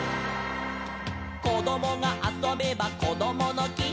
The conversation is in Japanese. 「こどもがあそべばこどものき」